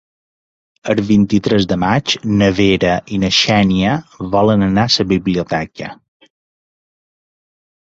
El vint-i-tres de maig na Vera i na Xènia volen anar a la biblioteca.